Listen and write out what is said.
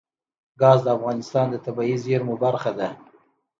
ګاز د افغانستان د طبیعي زیرمو برخه ده.